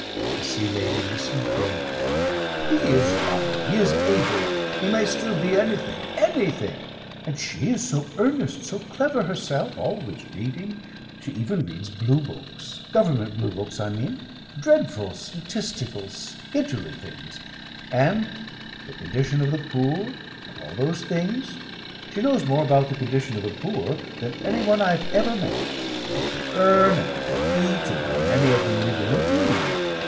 The Sea Lady listened gravely. "He is young, he is able, he may still be anything anything. And she is so earnest, so clever herself always reading. She even reads Blue Books government Blue Books I mean dreadful statistical schedulely things. And the condition of the poor and all those things. She knows more about the condition of the poor than any one I've ever met; what they earn and what they eat, and how many of them live in a room.